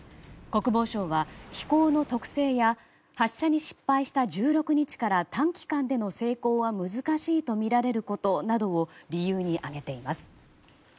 国防省は飛行の特性や発射に失敗した１６日から短期間での成功は難しいとみられることなどを理由に挙げています。